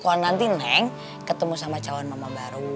kalau nanti neng ketemu sama calon mama baru